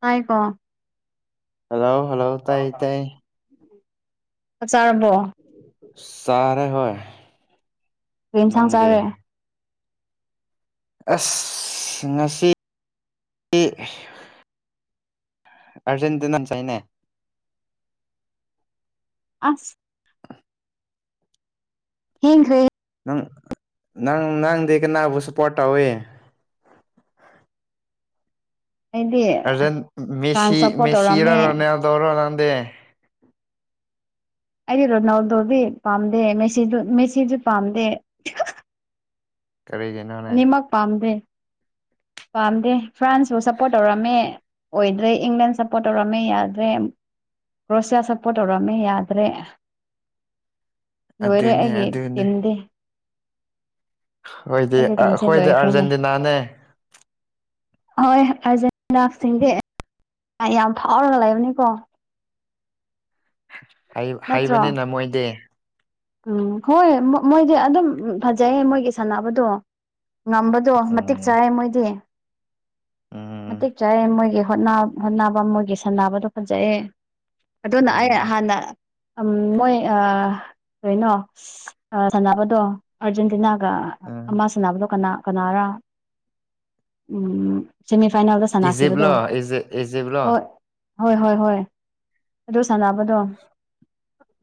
ꯇꯥꯏ ꯀꯣ ꯑꯂꯣ ꯍꯂꯣ ꯇꯥꯏ ꯇꯥꯏ ꯆꯥꯔꯝꯕꯣ ꯆꯥꯦ ꯍꯣꯏ ꯀꯔꯤ ꯌꯦꯟꯁꯥꯡ ꯅꯪꯗꯤ ꯆꯥꯔꯦ ꯑꯁ ꯉꯁꯤ ꯑꯔꯖꯦꯟꯇꯤꯅꯥꯅ ꯆꯥꯏꯅꯦ ꯑꯁ ꯍꯤꯡꯔꯤ ꯅꯪ ꯅꯪ ꯅꯪꯗꯤ ꯀꯅꯥꯕꯨ ꯁꯄꯣꯔꯠ ꯇꯧꯏ ꯑꯩꯗꯤ ꯐ꯭ꯔꯥꯟꯁ ꯑꯗꯨꯁꯤ ꯁꯞꯄꯣꯔꯠ ꯇꯧꯔꯝꯃꯦ ꯃꯦꯁꯤꯔꯔꯣꯅꯦꯗꯧꯔꯣꯅ ꯗꯦ ꯑꯩꯗꯤ ꯔꯣꯅꯥꯎꯗꯣꯗꯤ ꯄꯥꯝꯗꯦ ꯃꯦꯁꯤ ꯗꯨ ꯃꯦꯁꯤꯖꯨ ꯄꯥꯝꯗꯦ ꯇꯔꯒꯦ ꯑꯅꯤꯃꯛ ꯄꯥꯝꯗꯦ ꯄꯥꯝꯗꯦ ꯐ꯭ꯔꯥꯟꯁꯄꯨ ꯁꯞꯄꯣꯔꯠ ꯇꯧꯔꯝꯃꯦ ꯑꯣꯏꯗ꯭ꯔꯦ ꯏꯪꯂꯦꯟ ꯁꯞꯄꯣꯔꯠ ꯇꯧꯔꯝꯃꯦ ꯌꯥꯗ꯭ꯔꯦ ꯀ꯭ꯔꯣꯁꯤꯌꯥ ꯁꯞꯄꯣꯔꯠ ꯇꯧꯔꯝꯃꯦ ꯌꯥꯗ꯭ꯔꯦ ꯑꯗꯨꯅꯦ ꯂꯣꯏꯔꯛꯑꯒꯦ ꯑꯗꯨꯅꯦ ꯇꯤꯟꯗꯦ ꯑꯩꯣꯏꯗꯤ ꯑꯩꯒꯤ ꯇꯤꯝꯁꯦ ꯑꯩꯈꯣꯏꯗꯤ ꯂꯣꯏꯈ꯭ꯔꯦꯅꯦ ꯑꯥꯔꯖꯦꯟꯇꯤꯅꯥꯅꯦ [inaudible] ꯍꯣꯏ ꯑꯥꯔꯖꯦꯟꯇꯤꯅꯥꯁꯤꯡꯗꯤ ꯌꯥꯝ ꯐꯥꯎꯔꯒ ꯂꯩꯕꯅꯤꯀꯣ ꯅꯠꯇ꯭ꯔꯣ ꯍꯩꯕꯅꯦ ꯅꯝꯃꯣꯏꯗꯦ ꯎꯝ ꯍꯣꯏ ꯃꯣꯏꯗꯤ ꯑꯗꯨꯝ ꯐꯖꯩ ꯃꯣꯏꯒꯤ ꯁꯥꯟꯅꯕꯗꯣ ꯉꯝꯕꯗꯣ ꯃꯇꯦꯛ ꯎꯝ ꯆꯥꯏ ꯃꯣꯏꯗꯤ ꯎꯝ ꯃꯇꯤꯛ ꯆꯥꯏ ꯃꯣꯏꯒꯤ ꯍꯣꯠꯅꯕ ꯅꯥꯕ ꯃꯣꯏꯒꯤ ꯁꯟꯅ ꯅꯥꯕꯗꯣ ꯐꯖꯩꯌꯦ ꯑꯗꯨꯅ ꯑꯩ ꯎꯝ ꯍꯥꯟꯅ ꯃꯣꯏ ꯀꯣꯏꯅꯣ ꯁꯥꯟꯅꯕꯗꯣ ꯑꯔꯖꯦꯟꯇꯤꯅꯥ ꯎꯝ ꯑꯃ ꯁꯅꯕꯗꯣ ꯀꯅꯥꯔ ꯎ ꯁꯦꯃꯤꯐꯥꯏꯅꯦꯜꯗ ꯁꯥꯟꯅꯈꯤꯕꯗꯣ ꯏꯖꯤꯞꯂꯣ ꯏ ꯏꯖꯤꯞꯂꯣ ꯍꯣꯏ ꯍꯣꯏ ꯍꯣꯏ ꯍꯣꯏ ꯑꯗꯨ ꯁꯥꯟꯅꯕꯗꯣ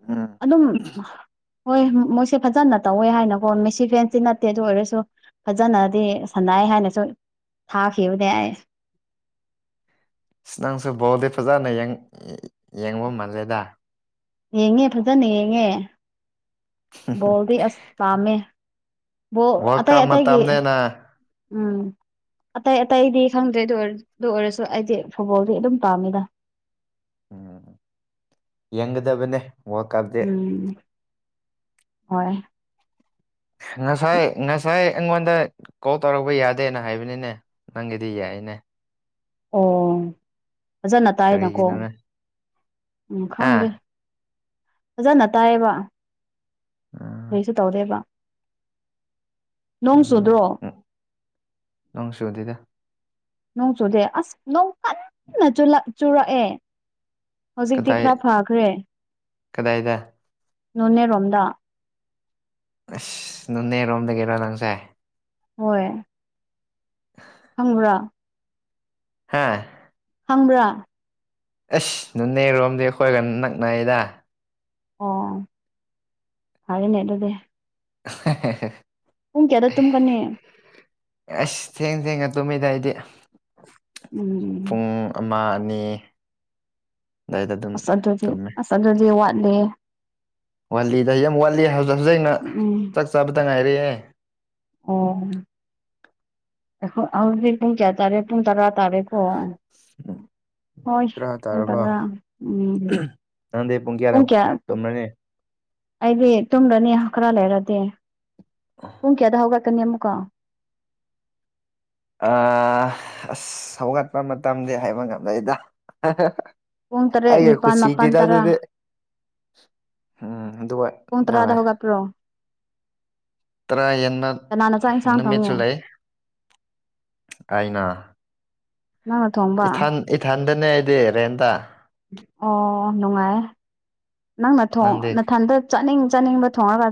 ꯎꯝ ꯑꯗꯨꯝ ꯍꯣꯏ ꯃꯣꯏꯁꯦ ꯐꯖꯅ ꯇꯧꯋꯦ ꯍꯥꯏꯅꯀꯣ ꯃꯦꯁꯤ ꯐꯦꯟꯁꯤ ꯅꯠꯇꯦ ꯑꯗꯨ ꯑꯣꯏꯔꯁꯨ ꯐꯖꯅꯗꯤ ꯁꯅꯥꯏ ꯍꯥꯏꯅꯁꯨ ꯊꯥꯈꯤꯕꯅꯦ ꯑꯩ ꯁꯤ ꯅꯪꯁꯨ ꯕꯣꯗꯦ ꯐꯖꯥꯅ ꯌꯦꯡꯕ ꯃꯥꯟꯖꯩꯗ ꯌꯦꯡꯉꯦ ꯐꯖꯅ ꯌꯦꯡꯉꯦ ꯕꯣꯜꯗꯤ ꯑꯁ ꯄꯥꯝꯃꯦꯕ ꯋꯥꯔꯜ ꯑꯇꯩ ꯀꯞ ꯑꯇꯩꯒꯤ ꯃꯇꯝꯅꯤꯅ ꯎꯝ ꯑꯇꯩ ꯑꯇꯩꯗꯤ ꯈꯪꯗ꯭ꯔꯦ ꯑꯗꯨ ꯑꯗꯨ ꯑꯣꯏꯔꯁꯨ ꯑꯩꯗꯤ ꯐꯨꯠꯕꯣꯜꯗꯤ ꯑꯗꯨꯝ ꯄꯥꯝꯃꯤꯗ ꯎꯝ ꯌꯦꯡꯒꯗꯕꯅꯦ ꯋꯥꯔꯜ ꯀꯞꯇꯤ ꯎꯝ ꯍꯣꯏ ꯉꯁꯥꯏ ꯉꯁꯥꯏ ꯏꯣꯣꯟꯗ ꯀꯣꯜ ꯇꯧꯔꯛꯄ ꯌꯥꯗꯦꯅ ꯍꯥꯏꯕꯅꯤꯅꯦ ꯅꯪꯒꯤꯗꯤ ꯌꯥꯏꯅꯦ ꯑꯣ ꯐꯖꯅ ꯇꯥꯏꯅꯀꯣ ꯀꯔꯤꯒꯤꯅꯣꯅꯦ ꯍꯥ ꯎꯈꯪꯗꯦ ꯐꯖꯅ ꯇꯥꯏꯌꯦꯕ ꯎꯝ ꯀꯩꯁꯨ ꯇꯧꯗꯦꯕ ꯅꯣꯡ ꯆꯨꯗ꯭ꯔꯣ ꯎꯝ ꯅꯣꯡ ꯁꯨ ꯑꯗꯨꯗ ꯅꯣꯡ ꯆꯨꯗꯦ ꯑꯁ ꯅꯣꯡ ꯀꯟꯅ ꯆꯨꯔꯛꯑꯦ ꯍꯧꯖꯤꯛꯇꯤ ꯀꯗꯥꯏ ꯈꯔ ꯐꯈ꯭ꯔꯦ ꯀꯗꯥꯏꯗ ꯅꯣꯅꯦꯔꯣꯝꯗ ꯑꯁ ꯅꯣꯅꯦꯔꯣꯝꯗꯒꯤꯔ ꯅꯪꯁꯦ ꯍꯣꯏ ꯈꯪꯕ꯭ꯔꯥ ꯍꯥꯥ ꯍꯪꯕ꯭ꯔꯥ ꯑꯁ ꯅꯅꯦꯔꯣꯝꯗꯤ ꯑꯩꯈꯣꯏꯒ ꯅꯛꯅꯩꯗ ꯑꯣ ꯍꯥꯏꯅꯦ ꯑꯗꯨꯣꯗ [unintelligible] ꯄꯨꯡ ꯀꯌꯥꯗ ꯇꯨꯝꯒꯅꯤ ꯑꯁ ꯊꯦꯡ ꯊꯦꯡꯉ ꯇꯨꯝꯃꯤꯗ ꯍꯥꯏꯗꯤ ꯎꯝ ꯄꯨꯡ ꯑꯃ ꯑꯅꯤ ꯑꯗꯨꯋꯥꯏꯗ ꯑꯗꯨꯝ ꯑꯁ ꯑꯗꯨꯗꯤ ꯇꯨꯝꯃꯦ ꯑꯁ ꯑꯗꯨꯗꯤ ꯋꯥꯠꯂꯤ ꯋꯥꯠꯂꯤꯗ ꯑꯩ ꯌꯥꯝ ꯋꯥꯠꯂꯤ ꯍꯧꯖꯤꯛ ꯍꯧꯖꯤꯛ ꯑꯩꯅ ꯎꯝ ꯆꯥꯛ ꯆꯥꯕꯗ ꯉꯥꯏꯔꯦꯦ ꯑꯣ ꯑꯩꯈꯣꯏ ꯍꯧꯛꯇꯛ ꯄꯨꯡ ꯀꯌꯥ ꯇꯥꯔꯦ ꯄꯨꯡ ꯇꯔꯥ ꯇꯥꯔꯦꯀꯣ [unintelligible] ꯍꯣꯏ ꯇꯔꯥ ꯍ ꯇꯥꯔꯕ ꯇꯔ ꯎꯝ ꯅꯪꯗꯤ ꯄꯨꯡ ꯀꯌꯥꯗ ꯎꯨꯡ ꯀꯌꯥ ꯇꯨꯝꯔꯅꯤ ꯑꯩꯗꯤ ꯇꯨꯝꯈꯅꯤ ꯈꯔ ꯂꯩꯔꯗꯤ ꯄꯨꯡ ꯀꯌꯥꯗ ꯍꯧꯒꯠꯀꯅꯤ ꯑꯃꯨꯛꯀꯣ ꯑ ꯑꯁ ꯍꯧꯒꯠꯄ ꯃꯇꯝꯗꯤ ꯍꯥꯏꯕ ꯉꯝꯗꯩꯗ ꯄꯨꯡ ꯇꯔꯦꯠ ꯑꯩꯒꯤ ꯅꯤꯄꯥꯜ ꯃꯥꯄꯜ ꯈꯨꯨꯁꯤꯒꯤꯗ ꯇꯔꯥ ꯑꯗꯨꯗꯤ ꯎꯝ ꯑꯗꯨ ꯀꯨꯟ ꯇꯔꯥꯗ ꯍꯒ ꯄ꯭ꯔꯣ ꯇꯔꯥ ꯍꯟꯕ ꯀꯅꯥꯅ ꯆꯥꯛ ꯏꯟꯁꯥꯡ ꯅꯨꯃꯤꯠꯁꯨ ꯊꯣꯡꯉꯦ ꯂꯩ ꯑꯩꯅ ꯅꯪꯅ ꯊꯣꯝꯕ ꯏꯊꯟ ꯏꯊꯟꯗꯅꯦ ꯑꯩꯗꯤ ꯔꯦꯟꯇ ꯑꯣ ꯅꯨꯡꯉꯥꯏ ꯅꯪ ꯅꯊꯣꯡ ꯅꯪꯗꯤ ꯅꯊꯟꯗ ꯆꯥꯅꯤꯡ ꯆꯥꯅꯤꯡꯕ ꯊꯣꯡꯉꯒ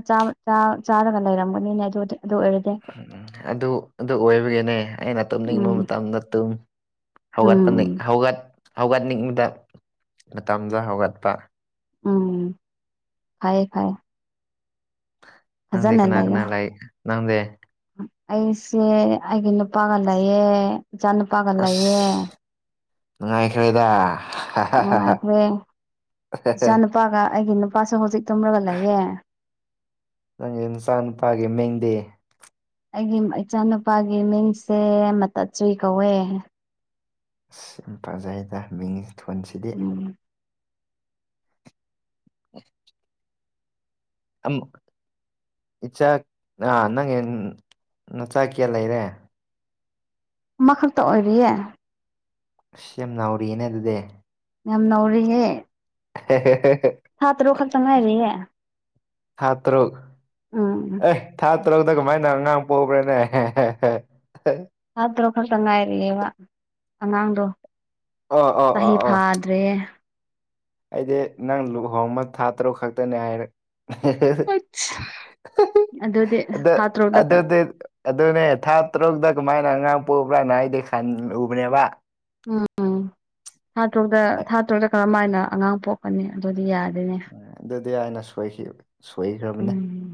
ꯆꯥꯔꯒ ꯂꯩꯔꯝꯒꯅꯤꯅꯦ ꯑꯗꯨ ꯑꯗꯨ ꯑꯣꯏꯔꯗꯤ ꯎꯝ ꯑꯗꯨ ꯑꯗꯨ ꯑꯣꯏꯕꯒꯤꯅꯦ ꯑꯩꯅ ꯎꯝ ꯇꯨꯝꯅꯤꯡꯕ ꯃꯇꯝꯗ ꯇꯨꯝ ꯍꯧꯒꯠꯄ ꯎꯝ ꯍꯧꯒꯠ ꯍꯧꯒꯠꯅꯤꯡꯕꯗ ꯃꯇꯝꯗ ꯍꯧꯒꯠꯄ ꯎꯝ ꯈꯌꯦꯦ ꯈꯌꯦ ꯅꯪꯗꯦ ꯀꯅꯥ ꯂꯩꯌꯣ ꯀꯅꯥ ꯂꯩ ꯅꯪꯗꯦ ꯑꯩꯁꯦ ꯑꯩꯒꯤ ꯅꯨꯄꯥꯒ ꯂꯩꯑ ꯏꯆꯥ ꯅꯨꯄꯥꯒ ꯑꯁ ꯂꯩꯑ ꯅꯨꯡꯉꯥꯏꯈ꯭ꯔꯦꯗ ꯅꯨꯡꯉꯥꯏꯈ꯭ꯔꯦ ꯏꯆꯥ ꯅꯨꯨꯄꯥꯒ ꯑꯩꯒꯤ ꯅꯨꯄꯥꯁꯨ ꯍꯧꯖꯤꯛ ꯇꯨꯝꯂꯒ ꯂꯩꯌꯦ ꯅꯪꯒꯤ ꯅꯨꯆꯥ ꯅꯨꯨꯄꯥꯒꯤ ꯃꯤꯡꯗꯤ ꯑꯩꯒꯤ ꯏꯆꯥꯅꯨꯄꯥꯒꯤ ꯃꯤꯡꯁꯦ ꯃꯇꯠꯆꯨꯏ ꯀꯧꯋꯦ ꯑꯁ ꯌꯥꯝ ꯐꯖꯩꯗ ꯃꯤꯡ ꯊꯣꯟꯁꯤꯗꯤ ꯎꯝ ꯑ ꯏꯆꯥ ꯅꯪ ꯅꯆꯥ ꯀꯌꯥ ꯂꯩꯔꯦ ꯃꯈꯛꯇ ꯑꯣꯏꯔꯤꯌꯦ ꯑꯁ ꯌꯥꯝ ꯅꯥꯥꯎꯔꯤꯌꯦꯅꯦ ꯑꯗꯨꯗꯤ ꯌꯥꯝ ꯅꯧꯔꯤꯍꯦ ꯍ ꯉꯥꯏꯔꯤꯌꯦ ꯊꯇ꯭ꯔꯣ ꯎꯝ ꯑꯦ ꯊꯥ ꯇꯔꯨꯛꯇ ꯀꯃꯥꯏꯅ ꯑꯉꯥꯡ ꯄꯣꯛꯈ꯭ꯔꯦꯅꯦ ꯊꯥ ꯇꯥꯔꯨꯛ ꯈꯛꯇ ꯉꯥꯏꯔꯛꯑꯦꯕ ꯑꯉꯥꯡꯗꯣ ꯑꯣ ꯑꯣ ꯆꯍꯤ ꯑꯣ ꯑꯣ ꯐꯥꯗ꯭ꯔꯦ ꯑꯩꯗꯤ ꯅꯪ ꯂꯨꯍꯣꯡꯕ ꯊꯥ ꯇꯔꯨꯛ ꯈꯛꯇꯅꯦ ꯍꯥꯏꯔꯦ ꯑꯩꯠꯁ ꯑꯗꯨꯗꯤ ꯑꯗ ꯊꯥ ꯑꯗ ꯇꯔꯨꯛꯇ ꯑꯗꯨꯅꯦ ꯊꯥ ꯇꯔꯨꯛꯇ ꯀꯃꯥꯏꯅ ꯑꯉꯥꯡ ꯄꯣꯛꯕ꯭ꯔꯥꯅ ꯍꯥꯏꯗꯤ ꯈꯜꯂꯕꯅꯦꯕ ꯎꯝ ꯎꯝ ꯊꯥ꯭ꯔꯨꯛꯇ ꯊꯥ ꯇꯔꯨꯛꯇ ꯀꯔꯝ ꯍꯥꯏꯅ ꯑꯉꯥꯡ ꯄꯣꯛꯀꯅꯤ ꯑꯗꯨꯗꯤ ꯌꯥꯗꯣꯏꯅꯦ ꯑꯗꯨꯗꯤ ꯑꯅꯁꯨꯋꯥꯏꯁꯤ ꯁꯣꯏꯈ꯭ꯔꯕꯅꯦ ꯎꯝ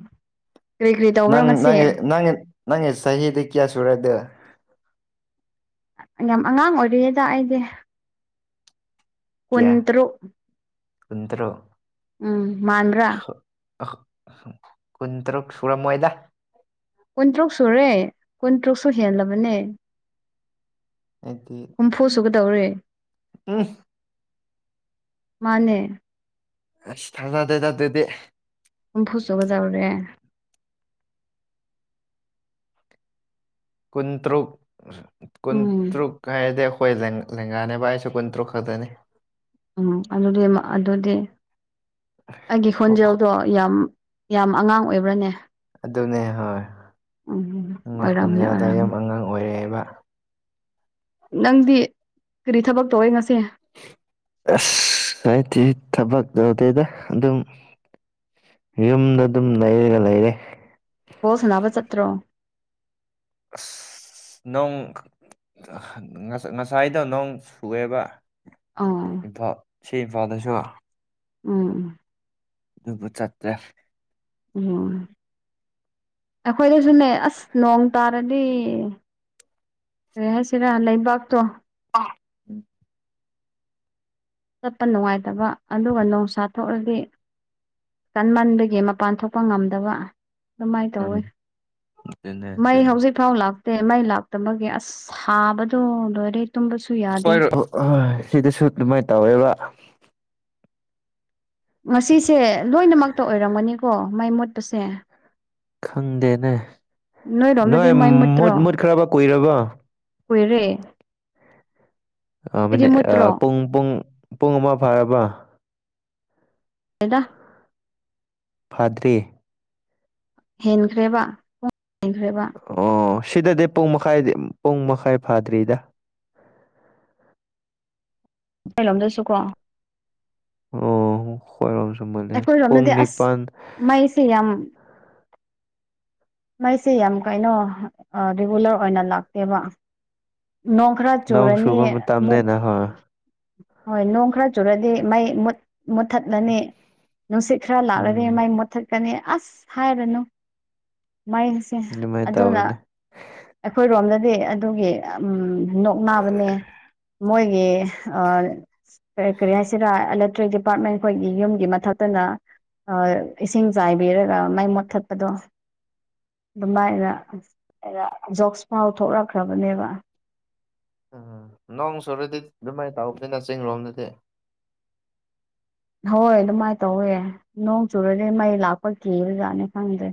ꯀꯔꯤ ꯀꯔꯤ ꯇꯧꯕ꯭ꯔꯣ ꯅꯪ ꯉꯁꯤ ꯅꯪ ꯅꯪ ꯅꯪꯒꯤ ꯆꯍꯤꯗꯤ ꯀꯌꯥ ꯁꯨꯔꯦꯗꯣ ꯌꯥꯝ ꯑꯉꯥꯡ ꯑꯣꯏꯔꯤꯌꯦꯗ ꯑꯩꯗꯤ ꯀꯌꯥ ꯀꯨꯟꯇꯨ ꯀꯨꯟꯇꯔꯨꯛ ꯎꯝ ꯃꯥꯗ꯭ꯔꯥ ꯑ ꯀꯨꯟ ꯇꯔꯨꯛ ꯁꯨꯔꯝꯃꯣꯏꯗ ꯀꯨꯟꯇꯔꯨꯛ ꯁꯨꯔꯦ ꯀꯨꯟꯇꯔꯨꯛꯁꯨ ꯍꯦꯜꯂꯕꯅꯦ ꯑꯩꯗꯤ ꯍꯨꯝꯐꯨ ꯁꯨꯒꯗꯧꯔꯦ ꯎꯝꯐ ꯃꯥꯅꯦ ꯑꯁ ꯊꯥꯖꯗꯦꯗ ꯑꯗꯨꯗꯤ ꯍꯨꯝꯐꯨꯁꯨꯒꯗꯧꯔꯦ ꯀꯨꯟꯇ꯭ꯔꯨꯛ ꯎꯝ ꯀꯨꯟꯇ꯭ꯔꯨꯛ ꯀꯥ ꯍꯥꯢꯗꯤ ꯑꯩꯈꯣꯏ ꯂꯦꯡꯒꯥꯅꯦꯕ ꯑꯩꯁꯨ ꯀꯨꯟꯇꯔꯨꯛ ꯈꯛꯇꯅꯤ ꯎꯝ ꯑꯗꯨꯗꯤ ꯃꯥ ꯑꯗꯨꯗꯤ ꯑꯩꯒꯤ ꯈꯣꯟꯖꯦꯜꯗꯣ ꯌꯥꯝ ꯌꯥꯝ ꯑꯉꯥꯡ ꯑꯣꯏꯕ꯭ꯔꯅꯦ ꯑꯗꯨꯅꯦ ꯍꯣꯏ ꯎꯝ ꯅꯪꯒꯤ ꯑꯔꯝꯅꯦ ꯈꯣꯟꯖꯦꯜꯗꯣ ꯌꯥꯝ ꯑꯔꯝꯅꯦ ꯑꯉꯥꯡ ꯑꯣꯏꯔꯦꯕ ꯅꯪꯗꯤ ꯀꯔꯤ ꯊꯕꯛ ꯇꯧꯋꯦ ꯉꯁꯤ ꯑꯁ ꯍꯥꯢꯗꯤ ꯊꯕꯛ ꯇꯧꯗꯦꯗ ꯑꯗꯨꯝ ꯌꯨꯝꯗ ꯑꯗꯨꯝ ꯅꯩꯔꯒ ꯂꯩꯔꯦ ꯕꯣꯜ ꯁꯅꯥꯕ ꯆꯠꯇ꯭ꯔꯣ ꯑꯁ ꯅꯣꯡ ꯉꯁꯥꯏꯗꯣ ꯅꯣꯡ ꯆꯨꯑꯦꯕ ꯑꯥ ꯏꯝꯐꯥꯜ ꯁꯤ ꯏꯝꯐꯥꯜꯗꯁꯨ ꯎꯝ ꯑꯗꯨꯕꯨ ꯆꯠꯇ꯭ꯔꯦ ꯎꯝ ꯍꯣꯢ ꯑꯩꯈꯣꯏꯗꯁꯨꯅꯦ ꯑꯁ ꯅꯣꯡ ꯇꯥꯔꯗꯤ ꯀꯔꯤ ꯍꯥꯏꯁꯤꯔꯥ ꯂꯩꯕꯥꯛꯇꯣ ꯎꯝ ꯆꯠꯄ ꯅꯨꯡꯉꯥꯏꯇꯕ ꯑꯗꯨꯒ ꯅꯣꯡꯁꯥ ꯊꯣꯛꯑꯗꯤ ꯀꯟꯃꯟꯕꯒꯤ ꯃꯄꯥꯟ ꯊꯣꯛꯄ ꯉꯝꯗꯕ ꯑꯗꯨꯃꯥꯏꯅ ꯇꯧꯋꯦ ꯎꯝ ꯑꯗꯨꯅꯦ ꯃꯩ ꯑꯗꯨꯅꯦ ꯍꯧꯖꯤꯛ ꯐꯥꯎ ꯂꯥꯛꯇꯦ ꯃꯩ ꯂꯥꯛꯇꯕꯒꯤ ꯑꯁ ꯁꯥꯕꯗꯣ ꯂꯣꯏꯔꯦ ꯇꯨꯝꯕꯁꯨ ꯍꯣꯏ ꯌꯥꯗꯦ ꯑꯥ ꯍꯣꯢ ꯁꯤꯗꯁꯨ ꯗꯨꯃꯥꯏ ꯇꯧꯋꯦꯕ ꯉꯁꯤꯁꯦ ꯂꯣꯏꯅꯃꯛꯇ ꯑꯣꯏꯔꯝꯃꯅꯤꯀꯣ ꯃꯩ ꯃꯨꯠꯄꯁꯦ ꯈꯪꯗꯦꯅꯦ ꯅꯣꯏꯔꯣꯝꯗꯗꯤ ꯅꯣꯏ ꯃꯩ ꯃꯨꯠꯇ꯭ꯔꯣ ꯃꯨꯠ ꯃꯨꯠ ꯈ꯭ꯔꯕ ꯀꯨꯏꯔꯕ ꯀꯨꯏꯔꯦ ꯅꯣꯏꯗꯤ ꯑꯕꯅꯦ ꯑꯥ ꯃꯨꯠꯇ꯭ꯔꯣ ꯄꯨꯡ -ꯄꯨꯡ ꯄꯨꯡ ꯑꯃ ꯐꯥꯔꯕ ꯇꯦꯗꯥ ꯐꯠꯇ꯭ꯔꯤ ꯍꯦꯟꯈ꯭ꯔꯦꯕ [inaudible] ꯍꯦꯟꯈ꯭ꯔꯦꯕ ꯑꯣ ꯁꯤꯗꯗꯤ ꯄꯨꯡ ꯃꯈꯥꯏꯗꯤ ꯄꯨꯡ ꯃꯈꯥꯏ ꯐꯥꯗ꯭ꯔꯤꯗ ꯅꯣꯢꯂꯣꯝꯗꯁꯨ ꯀꯣ ꯑꯣ ꯈꯣꯏ ꯔꯣꯝꯁꯨꯨꯝꯕꯜꯂꯦ ꯄꯨꯡ ꯑꯩꯈꯣꯏꯔꯣꯝꯗꯗꯤ ꯑꯁ ꯅꯤꯄꯜ ꯃꯩꯁꯦ ꯌꯥꯝ ꯃꯩꯁꯦ ꯌꯥꯝ ꯀꯩꯅꯣ ꯔꯤꯒꯨꯂꯔ ꯑꯣꯏꯅ ꯂꯥꯛꯇꯦꯕ ꯈꯔ ꯅꯣꯡ ꯆꯨꯔꯅꯤ ꯁꯨꯕ ꯑꯃꯨꯛ ꯃꯇꯝꯅꯦꯅ ꯍꯣꯏ ꯍꯣꯏ ꯅꯣꯡ ꯈꯔ ꯆꯨꯔꯗꯤ ꯃꯩ ꯃꯨꯠ ꯃꯨꯠꯊꯠꯂꯅꯤ ꯅꯨꯡꯁꯤꯠ ꯈꯔ ꯂꯥꯛꯂꯗꯤ ꯎꯝ ꯃꯩ ꯃꯨꯠꯊꯠꯀꯅꯤ ꯑꯁ ꯍꯥꯏꯔꯅꯨ ꯃꯩꯁꯦ ꯑꯗꯨꯃꯥꯏꯅ ꯑꯗꯨꯅ ꯇꯧꯕꯅꯦ ꯑꯩꯈꯣꯏ ꯔꯣꯝꯗꯗꯤ ꯑꯗꯨꯒꯤ ꯌꯥꯝ ꯅꯣꯛꯅꯕꯅꯦ ꯃꯣꯏꯒꯤ ꯑꯥ ꯑꯦ ꯀꯔꯤ ꯍꯥꯏꯁꯤꯔꯥ ꯏꯂꯦꯛꯇ꯭ꯔꯤꯛ ꯗꯤꯄꯥꯔꯠꯃꯦꯟ ꯈꯣꯏꯒꯤ ꯌꯨꯝꯒꯤ ꯃꯊꯛꯇꯅ ꯏꯁꯤꯡ ꯆꯥꯏꯕꯤꯔꯒ ꯃꯩ ꯃꯨꯠꯊꯠꯄꯗꯣ ꯑꯗꯨꯃꯥꯏꯅ ꯖꯣꯛꯁ ꯐꯥꯎ ꯊꯣꯛꯂꯛꯈ꯭ꯔꯕꯅꯦꯕ ꯎꯝ ꯅꯣꯡ ꯆꯨꯔꯗꯤ ꯗꯨꯃꯥꯏ ꯇꯧꯕꯅꯤꯅ ꯆꯤꯡ ꯔꯣꯝꯗꯗꯤ ꯍꯣꯏ ꯑꯗꯨꯃꯥꯏꯅ ꯇꯧꯋꯦ ꯅꯣꯡ ꯆꯨꯔꯗꯤ ꯃꯩ ꯂꯥꯛꯄ ꯀꯤꯕꯖꯥꯠꯅꯦ ꯈꯪꯗꯦ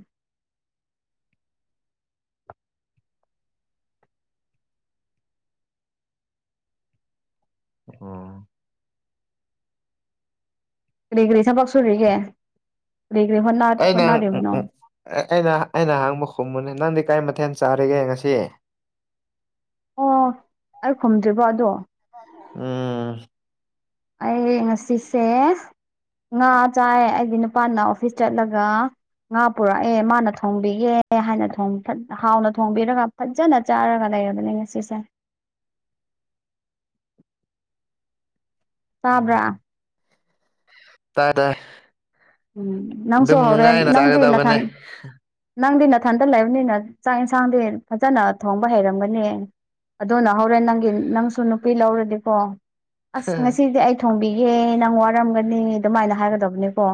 ꯑꯣ ꯀꯔꯤ ꯀꯔꯤ ꯊꯕꯛ ꯁꯨꯔꯤꯒꯦ ꯀꯔꯤ ꯀꯔꯤ ꯍꯣꯠꯅꯔꯤꯕꯅꯣ ꯑꯦ ꯑꯩꯅ ꯑꯩꯅ ꯍꯥꯡꯕ ꯈꯨꯝꯃꯨꯅꯦ ꯅꯪꯗꯤ ꯀꯩ ꯃꯊꯦꯜ ꯆꯥꯔꯤꯒꯦ ꯉꯁꯤ ꯑꯣ ꯑꯩ ꯈꯨꯝꯗ꯭ꯔꯤꯕꯣ ꯑꯗꯣ ꯎꯝ ꯑꯩ ꯉꯁꯤꯁꯦ ꯉꯥ ꯆꯥꯏꯌꯦ ꯑꯩꯒꯤ ꯅꯨꯄꯥꯅ ꯑꯣꯐꯤꯁ ꯆꯠꯂꯒ ꯉꯥ ꯄꯨꯔꯛꯑꯦ ꯃꯥꯅ ꯊꯣꯡꯕꯤꯒꯦ ꯍꯥꯏꯅ ꯍꯥꯎꯅ ꯊꯣꯡꯕꯤꯔꯒ ꯐꯖꯅ ꯆꯥꯔꯒ ꯂꯩꯔꯕꯅꯦ ꯉꯁꯤꯁꯦ ꯇꯥꯕ꯭ꯔꯥ ꯎꯝ ꯇꯥꯏ ꯇꯥꯏ ꯎꯝ ꯅꯪꯁꯨ ꯑꯗꯨꯝ ꯍꯧꯔꯦꯟ ꯅꯨꯡꯉꯥꯏꯅ ꯅꯪꯗꯤ ꯅꯥꯊꯟ ꯆꯥꯒꯗꯕꯅꯦ ꯅꯪꯗꯤ ꯅꯊꯟꯇ ꯂꯩꯕꯅꯤꯅ ꯆꯥꯛ ꯏꯟꯁꯥꯡꯗꯤ ꯐꯖꯟꯅ ꯊꯣꯡꯕ ꯍꯩꯔꯝꯒꯅꯤ ꯑꯗꯨꯅ ꯍꯧꯔꯦꯟ ꯅꯪꯒꯤ ꯅꯪꯁꯨ ꯅꯨꯄꯤ ꯂꯧꯔꯗꯤꯀꯣ ꯑꯁ ꯉꯁꯤꯗꯤ ꯑꯩ ꯊꯣꯡꯕꯤꯒꯦ ꯅꯪ ꯋꯥꯔꯝꯒꯅꯤ ꯑꯗꯨꯃꯥꯏꯅ ꯍꯥꯏꯒꯗꯕꯅꯤꯀꯣ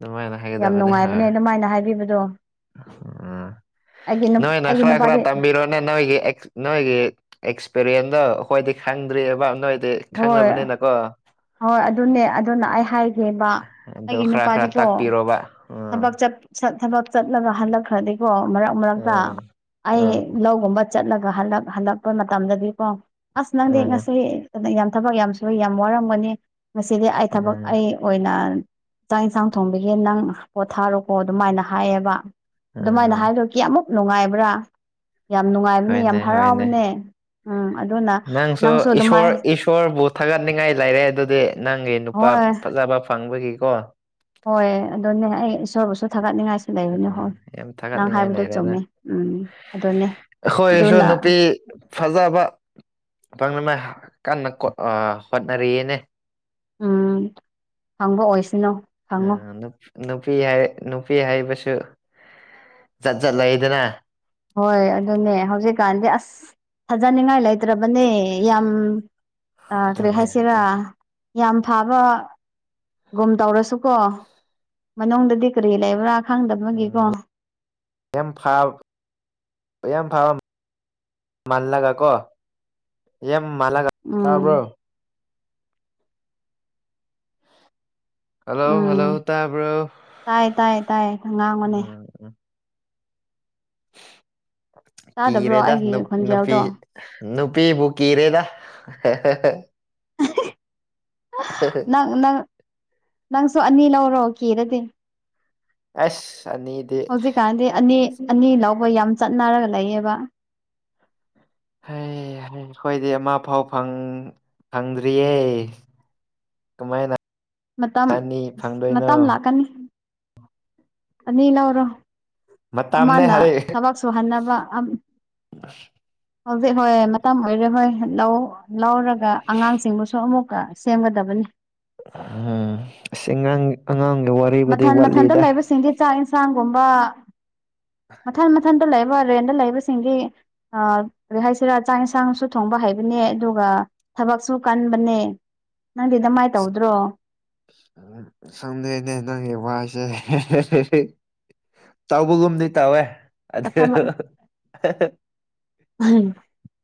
ꯅꯃꯥꯏ ꯃꯠ ꯌꯥꯝ ꯅꯨꯡꯉꯥꯏꯕꯅꯦ ꯑꯗꯨꯃꯥꯏꯅ ꯍꯥꯏꯕꯤꯕꯗꯣ ꯎꯝ ꯑꯩꯒꯤ ꯅꯨꯞ ꯑꯩꯒꯤ ꯅꯨꯄꯥꯥꯗꯤ ꯅꯦ ꯅꯣꯏꯒꯤ ꯑꯦꯛꯁ ꯅꯣꯏꯒꯤ ꯑꯦꯛꯁꯄꯤꯔꯤꯌꯦꯟꯗꯣ ꯑꯈꯣꯏꯗꯤ ꯈꯪꯗ꯭ꯔꯤꯕ ꯅꯣꯏꯗꯤ ꯍꯣꯏ ꯈꯪꯅꯕꯅꯤꯅꯀꯣ ꯍꯣꯏ ꯑꯗꯨꯅꯦ ꯑꯗꯨꯅ ꯑꯩ ꯍꯥꯏ ꯏꯕ ꯑꯗꯣ ꯑꯩꯒꯤ ꯈꯔ ꯈꯔ ꯅꯨꯄꯥꯗꯤꯀꯣ ꯇꯥꯛꯄꯤꯔꯣꯕ ꯎꯝ ꯊꯕꯛ ꯆꯠ -ꯆꯠ ꯊꯕꯛ ꯆꯠꯂꯒ ꯍꯜꯂꯛꯈ꯭ꯔꯗꯤ ꯀꯣ ꯃꯔꯛ ꯃꯔꯛꯇ ꯎꯝ ꯑꯩ ꯎꯝ ꯂꯧꯒꯨꯝꯕ ꯆꯠꯂꯒ ꯍꯂꯛ ꯍꯜꯂꯛꯄ ꯃꯇꯝꯗꯗꯤꯀꯣ ꯑꯁ ꯅꯪꯗꯤ ꯎꯝ ꯉꯁꯤ ꯑꯗꯨꯅ ꯌꯥꯝ ꯊꯕꯛ ꯌꯥꯝ ꯁꯨꯏ ꯌꯥꯝ ꯋꯥꯔꯝꯒꯅꯤ ꯉꯁꯤꯗꯤ ꯑꯩ ꯊꯕꯛ ꯎꯝ ꯑꯩ ꯑꯣꯏꯅ ꯆꯥꯛ ꯌꯦꯟꯁꯥꯡ ꯊꯣꯡꯕꯤꯒꯦ ꯅꯪ ꯄꯣꯊꯥꯔꯣꯀꯣ ꯑꯗꯨꯃꯥꯏꯅ ꯍꯥꯏꯌꯦꯕ ꯑꯗꯨꯃꯥꯏꯅ ꯎꯝ ꯍꯥꯏꯕ ꯀ ꯑꯃꯨꯛ ꯅꯨꯡꯉꯥꯏꯕ꯭ꯔꯥ ꯌꯥꯝ ꯅꯨꯡꯉꯥꯏꯕꯅꯦ ꯌꯥꯝ ꯍꯣꯏꯅꯦ ꯍꯣꯏꯅꯦ ꯍꯔꯥꯎꯕꯅꯦ ꯎꯝ ꯑꯗꯨꯅ ꯅꯪꯁꯨ ꯑꯗꯨꯃꯥꯏ ꯏꯁꯣꯔꯕꯨ ꯊꯥꯒꯠꯅꯤꯡꯉꯥꯏ ꯂꯩꯔꯦ ꯑꯗꯨꯗꯤ ꯅꯪꯒꯤ ꯅꯨꯄꯥ ꯍꯣꯏ ꯐꯖꯕ ꯐꯪꯕꯒꯤꯀꯣ ꯍꯣꯏ ꯑꯗꯨꯅꯦ ꯑꯩ ꯏꯁꯣꯔꯕꯨꯁꯨ ꯊꯥꯒꯠꯅꯤꯡꯉꯥꯏꯁꯤ ꯂꯩꯕꯅꯦ ꯍꯣꯏ ꯎꯝ ꯌꯥꯝ ꯅꯪ ꯊꯥꯒꯠꯅꯤꯡꯉꯥꯏ ꯍꯥꯏꯕꯗꯣ ꯆꯨꯝꯃꯦ ꯎꯝ ꯑꯗꯨꯅꯦ ꯑꯈꯣꯏꯁꯨ ꯑꯗꯨꯅ ꯅꯨꯄꯤ ꯐꯖꯕ ꯄꯪꯅꯃꯦ ꯀꯟꯅ ꯀꯣꯠ - ꯑꯥ - ꯍꯣꯠꯅꯔꯤꯌꯦꯅꯦ ꯎꯝ ꯐꯪꯕ ꯑꯣꯏꯁꯅꯣ ꯎ ꯅꯨꯄꯤ ꯅꯨꯄꯤ ꯍꯥꯏꯕꯁꯨ ꯖꯥꯠ ꯖꯥꯠ ꯂꯩꯗꯅ ꯍꯣꯏ ꯑꯗꯨꯅꯦ ꯍꯧꯖꯤꯛꯀꯥꯟꯗꯤ ꯑꯁ ꯊꯥꯖꯅꯤꯡꯉꯥꯏ ꯂꯩꯇ꯭ꯔꯕꯅꯦ ꯌꯥꯝ ꯑꯥ ꯀꯔꯤ ꯑꯗꯨꯅꯦ ꯍꯥꯏꯁꯤꯔꯥ ꯑꯗꯨꯅꯦ ꯌꯥꯝ ꯐꯥꯕ ꯒꯨꯝ ꯇꯧꯔꯁꯨꯀꯣ ꯃꯅꯨꯡꯗꯗꯤ ꯀꯔꯤ ꯂꯩꯕ꯭ꯔꯥ ꯈꯪꯗꯕꯒꯤꯀꯣ ꯎꯝ ꯌꯥꯝ ꯐꯥ ꯌꯥꯝ ꯐꯕ ꯃꯥꯜꯂꯒ ꯀꯣ ꯌꯥꯝ ꯃꯥꯜꯂꯒ ꯎꯝ ꯇꯥꯔꯕ꯭ꯔꯣ ꯍꯜꯂꯣ ꯎꯝ ꯍꯜꯂꯣ ꯇꯕ꯭ꯔꯣ ꯇꯥꯏ ꯇꯥꯏ ꯇꯥꯏ ꯉꯥꯡꯉꯣꯅꯦ ꯇꯥꯗꯕ꯭ꯔꯣ ꯀꯤꯔꯦꯗ ꯑꯩꯒꯤ ꯅꯨꯞ -ꯅꯨꯄꯤ ꯈꯣꯟꯖꯦꯜꯗꯣ ꯅꯨꯄꯤꯕꯨ ꯀꯤꯔꯦꯗ ꯍꯦ ꯍꯦ ꯍꯦ ꯎ [unintelligible] ꯅꯪ ꯅꯪ ꯅꯪꯁꯨ ꯑꯅꯤ ꯂꯧꯔꯣ ꯀꯤꯔꯗꯤ ꯑꯁ ꯑꯅꯤ ꯍꯧꯖꯤꯛꯀꯥꯟꯗꯤ ꯑꯅꯤ ꯑꯅꯤ ꯂꯧꯕ ꯌꯥꯝ ꯆꯠꯅꯔꯒ ꯂꯩꯌꯦꯕ ꯍꯩ ꯍꯩ ꯑꯩꯈꯣꯏꯗꯤ ꯑꯃ ꯐꯥꯎ ꯐꯪꯗ꯭ꯔꯤꯌꯦ ꯀꯃꯥꯏꯅ ꯃꯇꯝ ꯑꯅꯤ ꯐꯪꯗꯣꯏꯅꯣ ꯃꯇꯝ ꯂꯥꯛꯀꯅꯤ ꯑꯅꯤ ꯂꯧꯔꯣ ꯃꯇꯝꯅꯦ ꯑꯃꯅ ꯍꯧꯖꯤꯛ ꯊꯕꯛ ꯁꯨꯍꯟꯅꯕ ꯑꯝ- ꯍꯧꯖꯤꯛ ꯍꯣꯏ ꯃꯇꯝ ꯑꯣꯏꯔꯕꯩ ꯍꯣꯏ ꯂ ꯂꯧꯔ ꯑꯗꯨꯒ ꯑꯉꯥꯡꯁꯤꯡꯕꯨꯁꯨ ꯑꯃꯨꯛꯀ ꯁꯦꯝꯒꯗꯕꯅꯤ ꯎꯝ ꯑꯁꯤꯉꯥꯡ ꯑꯉꯥꯡꯒꯤ ꯋꯥꯔꯤ ꯃꯊꯟ ꯃꯊꯟꯇ ꯂꯩꯕꯁꯤꯡꯗꯤ ꯆꯥꯛ ꯏꯟꯁꯥꯡꯒꯨꯝꯕ ꯃꯊꯟ ꯃꯊꯟ ꯂꯩꯕ ꯔꯦꯟꯗ ꯂꯩꯕꯁꯤꯡꯒꯤ ꯀꯔꯤ ꯍꯥꯏꯁꯤꯔꯥ ꯆꯥꯛ ꯌꯦꯟꯁꯥꯡꯁꯨ ꯊꯣꯡꯕ ꯍꯥꯏꯕꯅꯦ ꯑꯗꯨꯒ ꯊꯕꯛꯁꯨ ꯀꯟꯕꯅꯦ ꯅꯪꯗꯤ ꯀꯃꯥꯏꯅ ꯇꯧꯗ꯭ꯔꯣ ꯁꯪꯗꯦꯅꯦ ꯅꯪꯒꯤ ꯋꯥꯁꯦ ꯇꯥꯎꯕꯒꯨꯝꯗꯤ ꯇꯧꯋꯦ ꯑꯗꯨ ꯎꯝ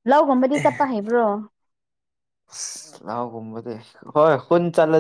ꯂꯧꯒꯨꯝꯕꯗꯤ ꯆꯠꯄ ꯍꯥꯏꯕ꯭ꯔꯣ ꯁꯁ ꯂꯥꯎ ꯒꯨꯝꯕꯗꯤ ꯍꯣꯏ ꯈꯨꯟ ꯆꯠꯂ-